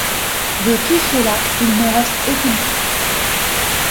De tout cela il ne reste aucune trace.